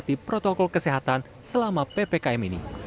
dan ati protokol kesehatan selama ppkm ini